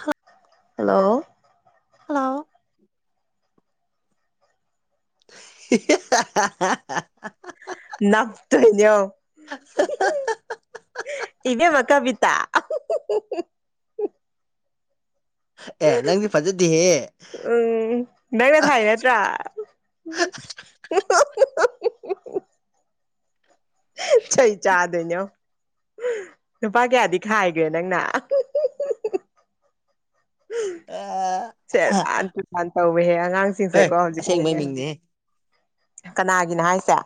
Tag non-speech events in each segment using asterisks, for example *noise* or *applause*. ꯍꯥꯛ ꯍꯜꯂꯧꯎ ꯍꯂꯥꯎ *inaudible* *unintelligible* ꯅꯥꯥꯛꯇꯣꯏꯅꯦꯑꯣ *unintelligible* ꯏꯕꯦꯃꯥ ꯀꯕꯤꯇꯥ ꯑꯦ ꯅꯪꯗꯤ ꯐꯖꯗꯦꯍꯦ ꯎꯝ ꯅꯪꯅ ꯊꯥꯏ ꯌꯥ *unintelligible* ꯆꯩ ꯆꯥꯗꯣꯏꯅꯦꯑꯣ ꯅꯨꯄꯥ ꯀꯌꯥꯗꯤ ꯈꯥꯏꯒꯦ ꯅꯪꯅ ꯁꯦꯔꯥꯟ ꯇꯨꯔꯥꯟ ꯇꯧꯋꯦꯍꯦ ꯑꯉꯥꯡꯁꯤꯡꯁꯦꯀꯣ ꯑꯁꯦꯡꯕꯩ ꯍꯧꯖꯤꯛꯀꯥꯟꯒꯤ ꯃꯤꯡꯅꯦ ꯀꯅꯥꯒꯤꯅꯣ ꯍꯥꯏꯁꯦ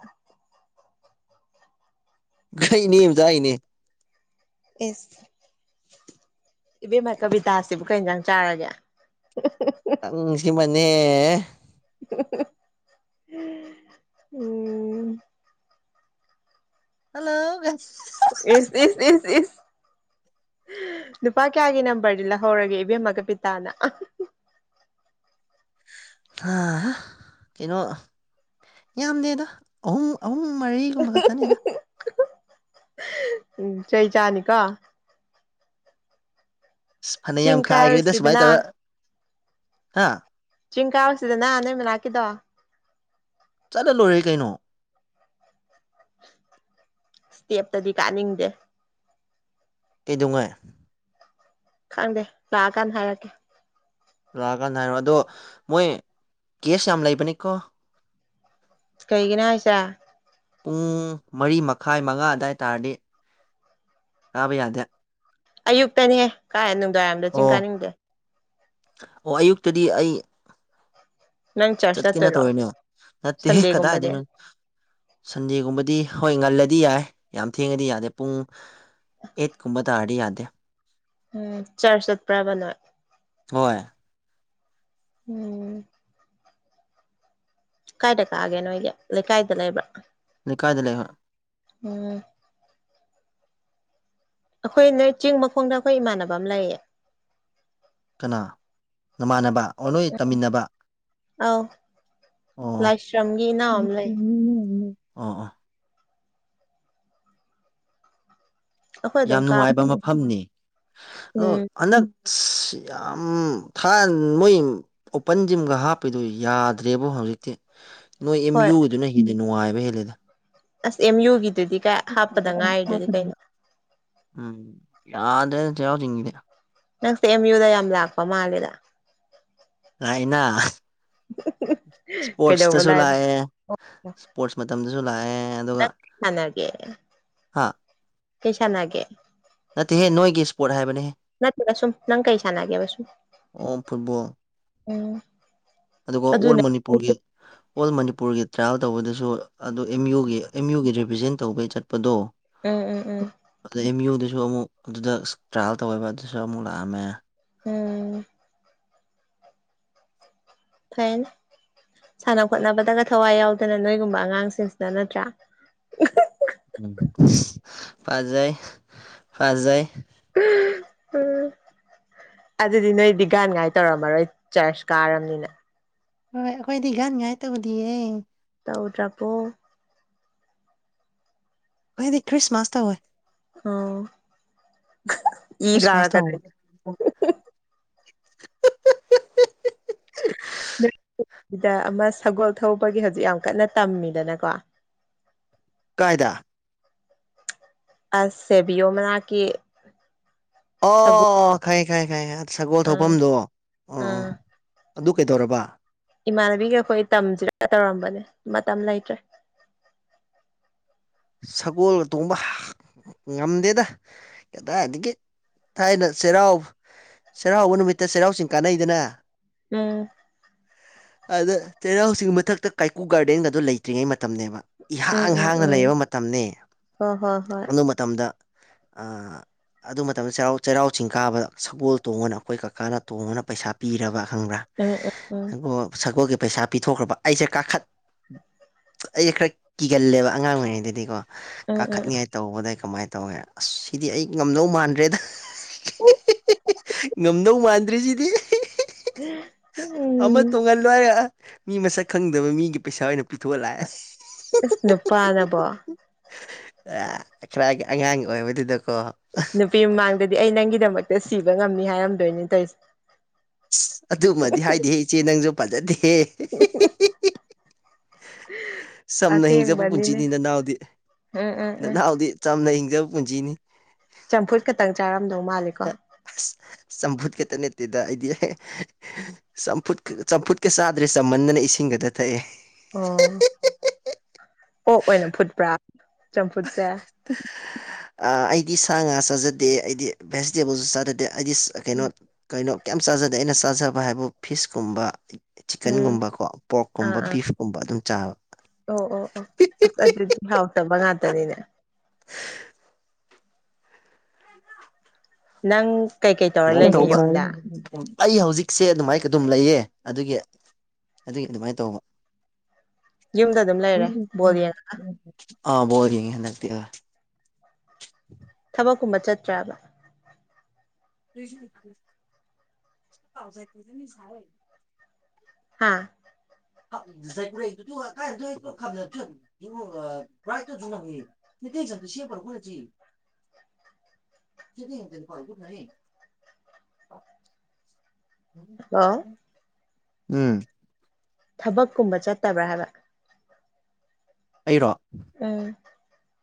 ꯈꯩ ꯏꯅꯦ ꯃꯆꯥ ꯒꯤꯅꯦ ꯑꯦꯁ ꯏꯕꯦꯝꯃ ꯀꯕꯤꯇꯥꯁꯤꯕꯨ ꯀꯩ ꯌꯦꯟꯖꯥꯡ ꯆꯥꯔꯒꯦ ꯑꯪꯁꯤ ꯃꯅꯦ *unintelligible* *inaudible* ꯎꯝ ꯍꯜꯂꯣ ꯏꯁ ꯏꯁ ꯏꯁ ꯏꯁ ꯅꯨꯄꯥ ꯀꯌꯥꯒꯤ ꯅꯝꯕꯔꯗꯤ ꯂꯧꯍꯧꯔꯒꯦ ꯏꯕꯦꯝꯃ ꯀꯄꯤꯇꯥꯅ *unintelligible* ꯀꯩꯅꯣ ꯌꯥꯝꯗꯦꯗ ꯑꯍꯨꯝ ꯑꯍꯨꯝ ꯃꯔꯤꯒꯨꯝꯕ ꯈꯇꯅꯦꯗ ꯎꯝ ꯆꯩ ꯆꯥꯅꯤꯀꯣ ꯑꯁ ꯆꯤꯡ ꯐꯅꯦꯌꯥꯝ ꯈꯥꯏꯒ꯭ꯔꯦꯗ ꯁꯨꯃꯥꯏꯅ ꯀꯥꯔꯨꯁꯤꯗꯅ ꯇꯧꯔ ꯍꯥ ꯆꯤꯡ ꯀꯥꯥꯎꯁꯤꯗꯅ ꯅꯣꯏ ꯃꯅꯥꯛꯀꯤꯗꯣ ꯆꯠꯂ ꯂꯣꯏꯔꯦ ꯀꯩꯅꯣ ꯇꯦꯞꯇꯗꯤ ꯀꯥꯅꯤꯡꯗꯦ ꯀꯩꯗꯧꯉꯩ ꯈꯪꯗꯦ ꯂꯥꯛꯑꯀꯥꯟ ꯍꯥꯏꯔꯛꯀꯦ ꯂꯥꯛꯑꯀꯥꯟ ꯍꯥꯏꯔꯣ ꯑꯗꯣ ꯃꯣꯏ ꯀꯦꯁ ꯌꯥꯝ ꯂꯩꯕꯅꯤꯀꯣ ꯀꯩꯒꯤꯅ ꯍꯥꯏꯁꯦ ꯄꯨꯡ ꯃꯔꯤ ꯃꯈꯥꯏ ꯃꯉꯥ ꯑꯗꯨꯋꯥꯏ ꯇꯥꯔꯗꯤ ꯀꯥꯕ ꯌꯥꯗꯦ ꯑꯌꯨꯛꯇꯅꯦ ꯀꯥꯏ ꯅꯨꯡꯗꯥꯏꯔꯝꯗ ꯆꯤꯡ ꯑꯣ ꯀꯥꯅꯤꯡꯗꯦ ꯑꯣ ꯑꯌꯨꯛꯇꯗꯤ ꯑꯩ ꯅꯪ ꯆꯔꯆ ꯆꯠꯀꯦꯅ ꯆꯠꯇꯣꯏꯔꯣ ꯇꯧꯔꯤꯅꯦ ꯅꯠꯇꯦꯍꯦ ꯁꯟꯗꯦꯒꯨꯝꯕꯗꯤ ꯀꯗꯥꯏꯗꯩꯩꯅꯣ ꯁꯟꯗꯦꯒꯨꯝꯕꯗꯤ ꯍꯣꯏ ꯉꯜꯂꯗꯤ ꯌꯥꯏ ꯌꯥꯝ ꯊꯦꯡꯉꯗꯤ ꯌꯥꯗꯦ ꯄꯨꯡ ꯑꯦꯠꯀꯨꯝꯕ ꯇꯥꯔꯗꯤ ꯌꯥꯗꯦ ꯎꯝ ꯆꯔ ꯆꯠꯄ꯭ꯔꯥꯕ ꯅꯣꯏ ꯍꯣꯏ ꯎꯝ ꯀꯥꯏꯗ ꯀꯥꯒꯦ ꯅꯣꯏꯒꯤ ꯂꯩꯀꯥꯏꯗ ꯂꯩꯕ꯭ꯔ ꯂꯩꯀꯥꯏꯗꯥ ꯂꯩ ꯍꯣꯏ ꯎꯝ ꯑꯩꯈꯣꯏ ꯅꯣꯏ ꯆꯤꯡ ꯃꯈꯣꯡꯗ ꯑꯩꯈꯣꯏ ꯏꯃꯥꯟꯅꯕ ꯑꯃ ꯂꯩꯌꯦ ꯀꯅꯥ ꯅꯃꯥꯟꯅꯕ ꯑꯣ ꯅꯣꯏ ꯇꯝꯃꯤꯟꯅꯕ ꯑꯧ ꯑꯣ ꯂꯥꯏꯁ꯭ꯔꯝꯒꯤ ꯏꯅꯥꯎ ꯑꯃ ꯂꯩ *unintelligible* *inaudible* ꯑꯣ ꯑꯣ ꯑꯩꯈꯣꯏ ꯑꯗꯨꯝ ꯌꯥꯝ ꯅꯨꯡꯉꯥꯏꯕ ꯀꯥꯕꯅꯦ ꯃꯐꯝꯅꯤ ꯑꯗꯣ ꯎꯝ ꯑꯅꯛ ꯑꯁ ꯌꯥꯝ ꯊꯥꯟ ꯃꯣꯏ ꯑꯣꯄꯟ ꯖꯤꯝꯒ ꯍꯥꯞꯄꯤꯗꯨ ꯌꯥꯗ꯭ꯔꯦꯕ ꯍꯧꯖꯤꯛꯇꯤ ꯅꯣꯏ ꯑꯦꯝ ꯍꯣꯏ ꯌꯨꯗꯨꯅ ꯍꯤꯟꯅ ꯅꯨꯡꯉꯥꯏꯕ ꯍꯦꯜꯂꯦꯗ ꯑꯁ ꯑꯦꯝ ꯌꯨꯒꯤꯗꯨꯗꯤ ꯀ ꯍꯥꯞꯄꯗ ꯉꯥꯏꯔꯤꯗꯨꯗꯤ ꯀꯩꯅꯣ ꯎꯝ ꯌꯥꯗꯦꯗ ꯆꯩꯔꯥꯎ ꯆꯤꯡꯖꯤꯗꯤ ꯅꯪꯁꯦ ꯑꯦꯝ ꯌꯨꯗ ꯌꯥꯝ ꯂꯥꯛꯄ ꯃꯥꯜꯂꯦꯗ ꯂꯥꯛꯏꯅꯥ *unintelligible* ꯀꯩꯗꯧꯕ ꯏꯁꯄꯣꯔꯠꯁꯇꯁꯨ ꯂꯥꯏꯕ ꯂꯥꯛꯑꯦ ꯅꯪ ꯏꯁꯄꯣꯔꯠꯁ ꯃꯇꯝꯗꯁꯨ ꯂꯥꯛꯑꯦ ꯑꯗꯨꯒ ꯇꯥꯅꯒꯦ ꯍꯥ ꯀꯩ ꯁꯥꯅꯒꯦ ꯅꯠꯇꯦꯍꯦ ꯅꯣꯏꯒꯤ ꯏꯁꯄꯣꯔꯠ ꯍꯥꯏꯕꯅꯦꯍꯦ ꯅꯠꯇꯦꯗ ꯁꯨꯝ ꯅꯪ ꯀꯩꯁꯅꯒꯦꯕ ꯁꯨꯝ ꯑꯣ ꯐꯨꯠꯕꯣꯜ ꯎꯝ ꯑꯗꯨꯒ ꯑꯣꯜ ꯑꯗꯨꯅꯦ ꯃꯅꯤꯄꯨꯔꯒꯤ ꯑꯣꯜ ꯃꯅꯤꯄꯨꯔꯒꯤ ꯇ꯭ꯔꯥꯏꯌꯦꯜ ꯇꯧꯕꯗꯁꯨ ꯑꯗꯨ ꯑꯦꯝ ꯌꯨꯒꯤ ꯑꯦꯝ ꯌꯨꯒꯤ ꯔꯤꯄ꯭ꯔꯖꯦꯟ ꯇꯧꯕꯩ ꯆꯠꯄꯗꯣ ꯑꯥ ꯑꯥ ꯑꯥ ꯑꯗ ꯑꯦꯝ ꯌꯨꯗꯨꯁꯨ ꯑꯃꯨꯛ ꯑꯗꯨꯗꯛꯁ ꯇ꯭ꯔꯥꯏꯌꯦꯜ ꯇꯧꯋꯦꯕ ꯑꯗꯨꯁꯨ ꯑꯃꯨꯛ ꯂꯥꯛꯑꯝꯃꯦ ꯎꯝ ꯐꯩ ꯁꯥꯟꯅ ꯈꯣꯠꯅꯕꯗꯒ ꯊꯋꯥꯏ ꯌꯥꯎꯗꯅ ꯅꯣꯏꯒꯨꯝꯕ ꯑꯉꯥꯡꯁꯤꯡꯁꯤꯅ ꯅꯠꯇ꯭ꯔꯥ ꯐꯖꯩ ꯐꯖꯩ ꯍ ꯎꯝ ꯑꯗꯨꯗꯤ ꯅꯣꯏꯗꯤ ꯒꯥꯟ ꯉꯥꯏ ꯇꯧꯔꯝꯃꯔꯣꯏ ꯆꯔꯆ ꯀꯥꯔꯝꯅꯤꯅ ꯍꯣꯏ ꯑꯩꯈꯣꯏꯗꯤ ꯒꯥꯟꯉꯥꯏ ꯇꯧꯗꯤꯌꯦ ꯇꯧꯗ꯭ꯔꯕ‌ꯣ ꯈ‌ꯣꯏꯗꯤ ꯈ꯭ꯔꯤꯁꯃꯥꯁ ꯇꯧꯋꯦ ꯑꯣ ꯏ ꯈ꯭ꯔꯤꯁꯃꯥꯁ ꯀꯥꯔꯛꯀꯅꯤ ꯇꯧꯕ *unintelligible* *unintelligible* ꯗ ꯑꯃ ꯁꯒꯣꯜ ꯊꯧꯕꯒꯤ ꯍꯧꯖꯤꯛ ꯌꯥꯝ ꯀꯟꯅ ꯇꯝꯃꯤꯗꯅꯀꯣ ꯀꯥꯏꯗ ꯑꯁ ꯁꯦꯕꯤꯌꯣ ꯃꯅꯥꯛꯀꯤ ꯁꯒꯣꯜ ꯑꯣ ꯈꯪꯉꯦ ꯈꯪꯉꯦ ꯈꯪꯉꯦ ꯁꯒꯣꯜ ꯑꯥ ꯊꯧꯐꯝꯗꯣ ꯑꯣ ꯑꯥ ꯑꯗꯨ ꯀꯩꯗꯧꯔꯕ ꯏꯃꯥꯟꯅꯕꯤꯒ ꯑꯩꯈꯣꯏ ꯇꯝꯁꯤꯔ ꯇꯧꯔꯝꯕꯅꯦ ꯃꯇꯝ ꯂꯩꯇ꯭ꯔꯦ ꯁꯒꯣꯜꯒ ꯇꯣꯡꯕ *unintelligible* ꯉꯝꯗꯦꯗ ꯀꯗꯥꯏꯗꯒꯤ ꯊꯥꯏꯅ ꯆꯩꯔꯥꯎ ꯆꯩꯔꯥꯎꯕ ꯅꯨꯃꯤꯠꯇ ꯆꯩꯔꯥꯎꯆꯤꯡ ꯀꯥꯟꯅꯩꯗꯅ ꯎꯝ ꯑꯗ ꯆꯩꯔꯥꯎꯆꯤꯡ ꯃꯊꯛꯇ ꯀꯥꯏꯀꯨ ꯒꯥꯔꯗꯦꯟꯒꯗꯣ ꯂꯩꯇ꯭ꯔꯤꯉꯩ ꯃꯇꯝꯅꯦꯕ ꯎꯝ ꯏꯍꯥꯡ ꯎꯝ ꯍꯥꯡꯅ ꯎꯝ ꯂꯩꯕ ꯃꯇꯝꯅꯦ ꯍꯣ ꯍꯣ ꯍꯣꯏ ꯑꯗꯨ ꯃꯇꯝꯗ ꯑꯥ ꯑꯗꯨ ꯃꯇꯝꯗ ꯆꯩꯔꯥꯎ ꯆꯩꯔꯥꯎ ꯆꯤꯡ ꯀꯥꯕꯗ ꯁꯒꯣꯜ ꯇꯣꯡꯉ‌ꯣꯅ ꯑꯩꯈꯣꯏ ꯀꯀꯥꯅ ꯇꯣꯡꯉ‌ꯣꯅ ꯄꯩꯁꯥ ꯄꯤꯔꯕ ꯈꯪꯕ꯭ꯔꯥ ꯎꯝ ꯎꯝ ꯎꯝ ꯁꯒ‌ꯣꯜ ꯁꯒꯣꯜꯒꯤ ꯄꯩꯁꯥ ꯄꯤꯊꯣꯛꯈ꯭ꯔꯕ ꯑꯩꯁꯦ ꯀꯥꯈꯠ ꯑꯩ ꯈꯔ ꯀꯤꯒꯜꯂꯦꯕ ꯑꯉꯥꯡ ꯑꯣꯏꯔꯤꯉꯩꯗꯗꯤ ꯎꯝ ꯀꯥꯈꯠꯅꯤꯉꯥꯏ ꯇꯧꯕꯗ ꯑꯩ ꯀꯃꯥꯏ ꯇꯧꯋꯦ ꯑꯁ ꯁꯤꯗꯤ ꯑꯩ ꯉꯝꯗꯧ ꯃꯥꯟꯗ꯭ꯔꯦꯗ ꯎꯝ ꯉꯝꯗꯧ ꯃꯥꯟꯗ꯭ꯔ‌ꯦ ꯁꯤꯗꯤ *unintelligible* ꯑꯃ ꯇꯣꯡꯍꯜꯂꯣ ꯍꯥꯏꯔ ꯑ ꯃꯤ ꯃꯁꯛ ꯈꯪꯗꯕ ꯃꯤꯒꯤ ꯄꯩꯁꯥ ꯑꯣꯏꯅ ꯄꯤꯊꯣꯛꯑ ꯂꯥꯛꯑꯦ ꯏꯁ ꯅꯨꯄꯥꯅꯕꯣ ꯑ ꯈꯔꯒꯤ ꯑꯉꯥꯡ ꯑꯣꯏꯕꯗꯨꯗꯀꯣ ꯅꯨꯄꯤ ꯃꯃꯥꯡꯗꯗꯤ ꯑꯩ ꯅꯪꯒꯤꯗꯃꯛꯇ ꯁꯤꯕ ꯉꯝꯅꯤ ꯍꯥꯏꯔꯝꯗꯣꯏꯅꯤ ꯇꯧꯏꯁꯦ ꯑꯗꯨꯃꯗꯤ ꯍꯥꯏꯗ‌ꯦꯍꯦ ꯏꯆꯦ ꯅꯪꯖꯨ ꯐꯖꯗꯦꯍꯦ *unintelligible* ꯆꯝꯅ ꯍꯤꯡꯖꯕ ꯑꯁꯦꯡꯕꯅꯤꯅꯦ ꯄꯨꯟꯁꯤꯅꯤ ꯅꯅꯥꯎꯗꯤ ꯎꯝ ꯎꯝ ꯎꯝ ꯅꯅꯥꯎꯗꯤ ꯆꯝꯅ ꯍꯤꯡꯖꯕ ꯄꯨꯟꯁꯤꯅꯤ ꯆꯝꯐꯨꯠ ꯈꯛꯇꯪ ꯆꯥꯔꯝꯗꯧ ꯃꯥꯜꯂꯦ ꯗ ꯑꯁ ꯆꯝꯐꯨꯠ ꯈꯛꯇ ꯅꯠꯇꯦꯗ ꯑꯩꯗꯤ ꯆꯝꯐꯨꯠꯀ ꯆꯝꯐꯨꯠꯀ ꯆꯥꯗ꯭ꯔꯦ ꯆꯝꯃꯟꯗꯅ ꯏꯁꯤꯡ ꯈꯛꯇ ꯊꯛꯑꯦ ꯑꯣ ꯑꯣꯛ ꯑꯣꯏꯅ ꯐꯨꯠꯄ꯭ꯔꯥ ꯆꯝꯐꯨꯠꯁꯦ ꯑꯥ ꯑꯩꯗꯤ ꯁꯥ ꯉꯥ ꯆꯥꯖꯗꯦ ꯑꯩꯗꯤ ꯚꯦꯖꯤꯇꯦꯕꯜꯁꯨ ꯆꯥꯖꯗꯦ ꯑꯩꯗꯤ ꯀꯩꯅꯣ ꯀꯩꯅꯣ ꯀꯩꯝ ꯆꯥꯖꯗꯦ ꯑꯩꯅ ꯆꯥꯖꯕ ꯍꯥꯏꯕꯨ ꯐꯤꯁꯀꯨꯝꯕ ꯎꯝ ꯆꯤꯛꯀꯟꯒꯨꯝꯕꯀꯣ ꯄꯣꯔ꯭ꯛꯀꯨꯝꯕ ꯑꯥ ꯑꯥ ꯕꯤꯐꯀꯨꯝꯕ ꯑꯗꯨꯝ ꯆꯥꯕ ꯑꯣ ꯑꯣ ꯑꯣ ꯑꯁ ꯑꯗꯨꯗꯤ ꯍꯥꯎꯇꯕ ꯉꯥꯛꯇꯅꯤꯅꯦ *inaudible* ꯅꯪ ꯀꯩꯀꯩ ꯇꯧꯔ ꯑꯗꯨꯃꯥꯏꯅ ꯀꯩ ꯀꯩ ꯂꯩꯒꯦ ꯇꯧꯕ ꯌꯨꯝꯗ ꯆꯥꯔꯤ? ꯑꯩ ꯍꯧꯖꯤꯛꯁꯦ ꯑꯗꯨꯃꯥꯏꯅ ꯑꯗꯨꯝ ꯂꯩꯌꯦ ꯑꯗꯨꯒꯤ ꯑꯗꯨꯒꯤ ꯑꯗꯨꯃꯥꯏꯅ ꯇꯧꯕ ꯌꯨꯝꯗ ꯑꯗꯨꯝ ꯂꯩꯔꯦ ꯕꯣꯜ ꯌꯦꯡꯉꯒ ꯑꯥ ꯕꯣꯜ ꯌꯦꯡꯉꯦ ꯍꯟꯗꯛꯇꯤ ꯍꯣꯏ ꯊꯕꯛꯀꯨꯝꯕ ꯆꯠꯇ꯭ꯔꯕ *unintelligible* ꯍꯥ *unintelligible* *unintelligible* *inaudible* ꯍꯜꯂꯣ *unintelligible* ꯎꯝ ꯊꯕꯛꯀꯨꯝꯕ ꯆꯠꯇꯕ꯭ꯔꯥ ꯍꯥꯏꯕ ꯑꯩꯔꯣ ꯎꯝ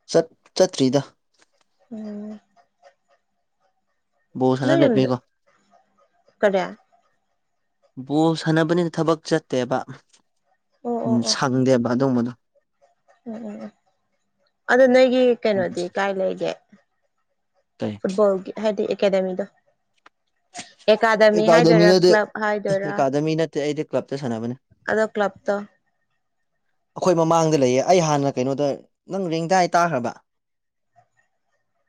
ꯆꯠ ꯆꯠꯇ꯭ꯔꯤꯗ ꯎꯝ ꯕꯣꯜ ꯁꯥꯟꯅ ꯅꯣꯏ ꯌꯨꯝꯗꯨ ꯂꯩꯕꯩꯀꯣ *unintelligible* ꯕꯣꯜ ꯁꯥꯟꯅꯕꯅꯤꯅ ꯊꯕꯛ ꯆꯠꯇꯦꯕ ꯑꯣ ꯎꯝ ꯑꯣ ꯑꯣ ꯁꯪꯗꯦꯕ ꯑꯗꯨꯝꯕꯗꯣ ꯎꯝ ꯎꯝ ꯑꯗꯨ ꯅꯣꯏꯒꯤ ꯀꯩꯅꯣꯗꯤ ꯀꯥꯏ ꯂꯩꯒꯦ ꯀꯩ ꯐꯨꯠꯕꯣꯜꯒꯤ ꯍꯥꯏꯗꯤ ꯑꯦꯀꯗꯃꯤꯗꯣ ꯑꯦꯀꯥꯗꯃꯤ ꯍꯥꯏꯗꯣꯏꯔꯥ ꯑꯦꯀꯥꯗꯃꯤꯗꯗꯤ ꯀ꯭ꯂꯕ ꯍꯥꯏꯗꯣꯏꯔꯥ ꯑꯦꯀꯥꯗꯃꯤ ꯅꯠꯇꯦ ꯑꯩꯗꯤ ꯀ꯭ꯂꯕꯇ ꯁꯥꯟꯅꯕꯅꯦ ꯑꯗꯣ ꯀ꯭ꯂꯕꯇꯣ ꯑꯩꯈꯣꯏ ꯃꯃꯥꯡꯗ ꯂꯩꯌꯦ ꯑꯩ ꯍꯥꯟꯅ ꯀꯩꯅꯣꯗ ꯅꯪ ꯔꯦꯡꯗꯥꯏ ꯇꯥꯈ꯭ꯔꯕ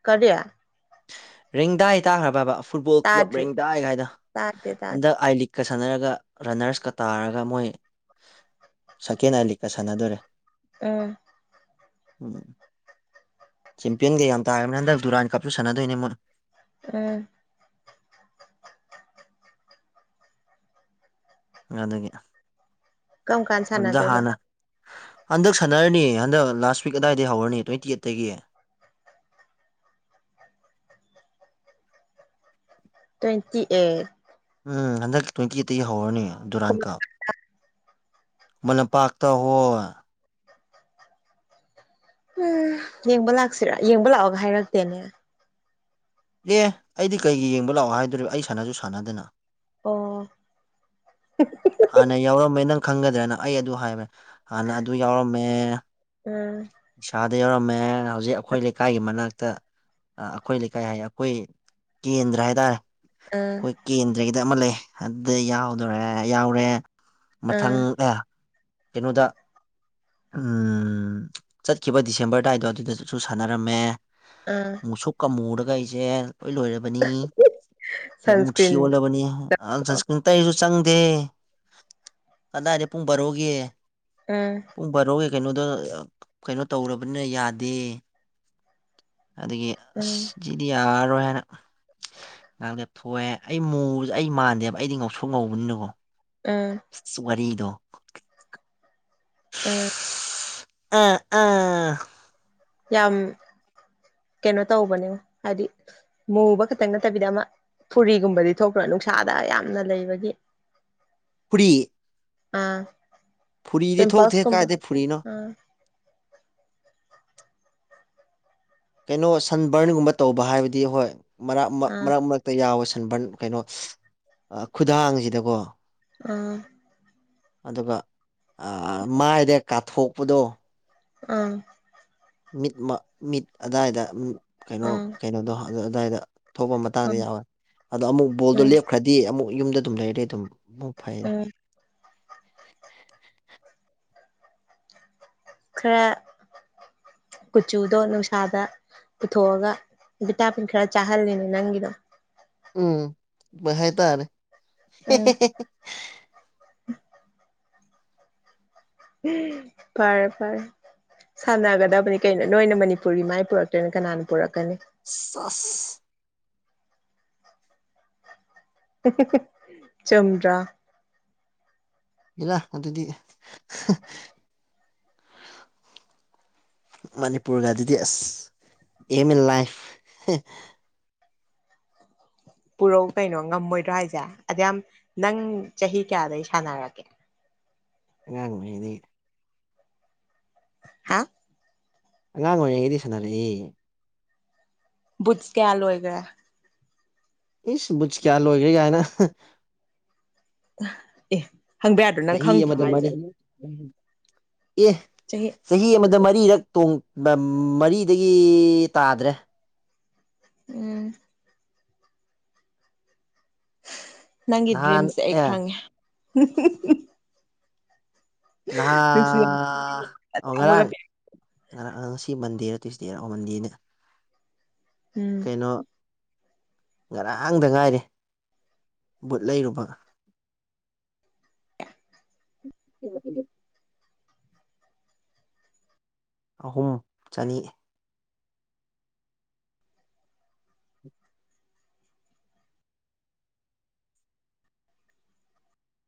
ꯀꯔꯤ ꯔꯦꯡꯗꯥꯏ ꯇꯥꯈ꯭ꯔꯕꯥꯕꯥ ꯐꯨꯠꯕꯣꯜ ꯀ꯭ꯂꯕ ꯇꯥꯗ꯭ꯔꯤ ꯔꯦꯡꯗꯥꯏꯒꯥꯏꯗꯣ ꯇꯥꯗꯦ ꯇꯥꯗꯦ ꯍꯟꯗꯛ ꯑꯥꯏ ꯂꯤꯒꯀ ꯁꯥꯟꯅꯔꯒ ꯔꯟꯅꯔꯁꯀ ꯇꯥꯔꯒ ꯃꯣꯏ ꯁꯦꯀꯦꯟ ꯑꯥꯏ ꯂꯤꯒꯀ ꯁꯥꯟꯅꯗꯣꯔꯦ ꯑꯥ ꯎꯝ ꯆꯦꯝꯄꯤꯌꯟꯒ ꯌꯥꯝ ꯇꯥꯔꯕꯅꯤ ꯍꯟꯗꯛ ꯗꯨꯨꯔꯥꯟ ꯀꯞꯁꯨ ꯁꯥꯟꯅꯗꯣꯏꯅꯦ ꯃꯣꯏ ꯑꯥ ꯑ ꯑꯗꯨꯒꯤ ꯀꯔꯝ ꯀꯥꯟ ꯑꯗꯨꯗ ꯁꯥꯟꯅꯗꯣꯏꯕ ꯍꯥꯟꯅ ꯍꯟꯗꯛ ꯁꯥꯟꯅꯔꯅꯤ ꯍꯟꯗꯛ ꯂꯥꯁ ꯋꯤꯛ ꯑꯗꯥꯏꯗꯗꯒꯤ ꯍꯧꯔꯅꯤ ꯇ꯭ꯋꯦꯟꯇꯤ ꯑꯩꯠꯇꯒꯤ ꯇ꯭ꯋꯦꯟꯇꯤ ꯑꯩꯠ ꯎꯝ ꯍꯟꯗꯛꯀꯤ ꯇ꯭ꯋꯦꯟꯇꯤ ꯑꯩꯠꯇꯒꯤ ꯍꯧꯔꯅꯤ ꯗꯨꯔꯥꯟ ꯎꯝ ꯀꯞ ꯈꯨꯃꯟ ꯂꯝꯄꯥꯛꯇ ꯍꯣꯏ ꯎꯝ ꯌꯦꯡꯕ ꯂꯥꯛꯁꯤꯔꯥ ꯌꯦꯡꯕ ꯂꯥꯛꯑꯣꯒ ꯍꯥꯏꯔꯛꯇꯦꯅꯦ ꯑꯦ ꯑꯩꯗꯤ ꯀꯩꯒꯤ ꯌꯦꯡꯕ ꯂꯥꯛꯑꯣ ꯍꯥꯏꯗꯣꯔꯤꯕ ꯑꯩ ꯁꯥꯟꯅꯖꯁꯨ ꯁꯥꯟꯅꯗꯅ ꯑꯣ ꯍꯥꯟꯅ ꯌꯥꯎꯔꯝꯕꯩ ꯅꯪ ꯈꯪꯒꯗ꯭ꯔꯅ ꯑꯩ ꯑꯗꯨ ꯍꯥꯏꯕꯩ ꯍꯥꯟꯅ ꯑꯗꯨ ꯌꯥꯎꯔꯝꯃꯦ ꯎꯝ ꯏꯁꯥꯗ ꯌꯥꯎꯔꯝꯃꯦ ꯍꯧꯖꯤꯛ ꯑꯩꯈꯣꯏ ꯂꯩꯀꯥꯏꯒꯤ ꯃꯅꯥꯛꯇ ꯑ꫰ꯑꯩꯈꯣꯏ ꯂꯩꯀꯥꯏ ꯍꯥꯏ ꯑꯩꯈꯣꯏ ꯀꯦꯟꯗ꯭ꯔ ꯍꯥꯏꯇꯥꯔꯦ ꯑꯥ ꯑꯩꯈꯣꯏ ꯀꯦꯟꯗ꯭ꯔꯒꯤꯗ ꯑꯃ ꯂꯩ ꯑꯗꯨꯗ ꯌꯥꯎꯗꯣꯔꯦ ꯌꯥꯎꯔꯦ ꯃꯊꯪ ꯎꯝ ꯑꯦ ꯀꯩꯅꯣꯗ ꯎꯝ ꯆꯠꯈꯤꯕ ꯗꯤꯁꯦꯝꯕꯔ ꯑꯗꯥꯏꯗꯣ ꯑꯗꯨꯗꯠꯁꯨ ꯁꯥꯟꯅꯔꯝꯃꯦ ꯑꯥ ꯃꯨꯁꯨꯛꯀ ꯃꯨꯔꯒ ꯑꯩꯖꯦ ꯂꯣꯏ ꯂꯣꯏꯔꯕꯅꯤ ꯃꯨꯊꯤ ꯁꯟꯁꯀ꯭ꯔꯤꯟ ꯑꯣꯜꯂꯕꯅꯤ ꯑꯥꯟ ꯎꯝ ꯁꯟꯁꯀ꯭ꯔꯤꯟ ꯇꯩꯔꯁꯨ ꯆꯪꯗꯦ ꯀꯗꯥꯏꯗ ꯄꯨꯡ ꯕꯥꯔꯣꯒꯤ ꯎꯝ ꯄꯨꯡ ꯕꯥꯔꯣꯒꯤ ꯀꯩꯅꯣꯗꯣ ꯀꯩꯅꯣ ꯇꯧꯔꯕꯅꯤꯅ ꯌꯥꯗꯦ ꯑꯗꯒꯤ ꯑꯁ ꯎꯝ ꯖꯤꯗꯤ ꯌꯥꯔꯔꯣꯏ ꯍꯥꯏꯅ ꯉꯍꯥꯛ ꯂꯦꯞꯊꯣꯛꯑꯦ ꯑꯩ ꯃꯨꯕꯖꯦ ꯑꯩ ꯃꯥꯟꯗꯦꯕ ꯑꯩꯗꯤ ꯉꯧꯁꯣꯛ ꯉꯧꯕꯅꯤꯅꯀꯣ ꯎꯝ ꯋꯥꯔꯤꯗꯣ ꯎꯝ ꯑ ꯑꯥ ꯌꯥꯝ ꯀꯦꯅꯣ ꯇꯧꯕꯅꯦꯕꯣ ꯍꯥꯏꯗꯤ ꯃꯨꯕ ꯈꯛꯇꯪ ꯅꯠꯇꯕꯤꯗ ꯑꯃ ꯐꯨꯔꯤꯒꯨꯝꯕꯗꯤ ꯊꯣꯛꯇꯔꯣ ꯅꯨꯡꯁꯥꯗ ꯌꯥꯝꯅ ꯂꯩꯕꯒꯤ *inaudible* ꯐꯨꯔꯤ ꯑ ꯐꯨꯔꯤꯗꯤ ꯊꯣꯛꯇꯦ ꯄꯤꯝꯄꯜꯁ ꯀꯨꯝꯕ ꯀꯥꯏꯗꯩ ꯐꯨꯔꯤꯅꯣ ꯑ ꯀꯩꯅꯣ ꯁꯟ ꯕꯔꯟꯒꯨꯝꯕ ꯇꯧꯕ ꯍꯥꯏꯕꯗꯤ ꯍꯣꯏ ꯃꯔꯛ ꯃ ꯑꯥ ꯃꯔꯛ ꯃꯔꯛ ꯇ ꯌꯥꯎꯋꯦ ꯁꯟꯕꯔꯟ ꯀꯩꯅꯣ ꯈꯨꯗꯥꯡꯖꯤꯗꯒꯣ ꯑ ꯑꯗꯨꯒ ꯑꯥ ꯃꯥꯏꯗ ꯀꯥꯊꯣꯛꯄꯗꯣ ꯑ ꯃꯤꯠ ꯃ ꯃꯤꯠ ꯑꯗꯥꯏꯗ ꯀꯩꯅꯣ ꯑꯥ ꯀꯩꯅꯣꯗꯣ ꯑꯗ ꯑꯗꯥꯏꯗ ꯊꯣꯛꯄ ꯃꯇꯥꯡꯗ ꯎꯝ ꯌꯥꯎꯋꯦ ꯑꯗꯣ ꯑꯃꯨꯛ ꯕꯣꯜꯗꯣ ꯎꯝ ꯂꯦꯞꯈ꯭ꯔꯗꯤ ꯑꯃꯨꯛ ꯌꯨꯝꯗ ꯑꯗꯨꯝ ꯂꯩꯔꯦ ꯑꯗꯨꯝ ꯃꯨꯛ ꯐꯩꯔꯦ ꯎꯝ ꯈꯔ ꯀꯨꯆꯨꯗꯣ ꯅꯨꯡꯁꯥꯗ ꯄꯨꯊꯣꯛꯑꯒ ꯚꯤꯇꯥꯄꯤꯟ ꯈꯔ ꯆꯥꯍꯜꯂꯤꯅꯦ ꯅꯪꯒꯤꯗꯣ ꯎꯝ ꯃꯥꯏ ꯍꯥꯏ ꯇꯥꯔꯦ ꯍꯦ ꯎꯝ ꯍꯦ ꯍꯦ ꯍꯦ ꯐꯔꯦ ꯐꯔꯦ ꯁꯥꯟꯅꯒꯗꯕꯅꯤ ꯀꯩꯅꯣ ꯅꯣꯏꯅ ꯃꯅꯤꯄꯨꯔꯒꯤ ꯃꯥꯏ ꯄꯨꯔꯛꯇꯅ ꯀꯅꯥꯅ ꯄꯨꯔꯛꯀꯅꯤ ꯁꯥꯁ ꯆꯨꯝꯗꯔ꯭ꯥ ꯍꯦꯔꯥ ꯑꯗꯨꯗꯤ *inaudible* ꯃꯅꯤꯄꯨꯔꯗ ꯑꯗꯨꯗꯤ ꯑꯁ ꯑꯦꯝ ꯏꯟ ꯂꯥꯏꯐ ꯄꯨꯔꯧ ꯀꯩꯅꯣ ꯉꯝꯃꯣꯏꯗ꯭ꯔꯥ ꯍꯥꯏꯁꯦ ꯑꯗꯌꯥꯝ ꯅꯪ ꯆꯍꯤ ꯀꯌꯥꯗꯩꯩ ꯁꯥꯟꯅꯔꯛꯀꯦ ꯑꯉꯥꯡ ꯑꯣꯏꯔꯤꯉꯩꯗꯩꯩ ꯍꯥ ꯑꯉꯥꯡ ꯑꯣꯏꯔꯤꯉꯩꯗꯩꯩ ꯁꯥꯟꯅꯔꯛꯑꯦ ꯕꯨꯠꯁ ꯀꯌꯥ ꯂꯣꯏꯒꯔ꯭ꯦ ꯏꯁ ꯕꯨꯠꯁ ꯀꯌꯥ ꯂꯣꯏꯒ꯭ꯔꯦ ꯒꯥꯏꯅ꯫ ꯑꯦ ꯍꯪꯕ ꯌꯥꯗ꯭ꯔꯣ ꯅꯪ ꯆꯍꯤ ꯈꯪꯗ꯭ꯔꯣ ꯑꯃꯗ ꯍꯥꯏꯁꯦ꯫ ꯃꯔꯤ ꯑꯦ ꯆꯍꯤ ꯆꯍꯤ ꯑꯃꯗ ꯃꯔꯤꯔꯛ ꯇꯣꯡꯕ ꯃꯔꯤꯗꯒꯤ ꯇꯥꯗ꯭ꯔꯦ꯫ ꯎꯝ꯫ ꯅꯪꯒꯤ ꯅꯍꯥꯟ ꯗ꯭ꯔꯤꯝꯁꯦ ꯑꯩ ꯑꯦ ꯈꯪꯉꯦ꯫ ꯅꯍꯥ ꯅꯪꯁꯨ ꯌꯥꯝ ꯑꯣ ꯈꯪꯕꯒ ꯉꯔꯥꯡ ꯉꯔꯥꯡ ꯉꯁꯤ ꯃꯟꯗꯦꯔ ꯇ꯭ꯌꯨꯁꯗꯦꯔ ꯑꯣ ꯃꯟꯗꯦꯅꯦ꯫ *inaudible* ꯅꯣ ꯉꯔꯥꯡꯗ ꯉꯥꯏꯔꯤ ꯕꯨꯠ ꯂꯩꯔꯨꯕ꯫ *inaudible* ꯑꯍꯨꯝ ꯆꯅꯤ꯫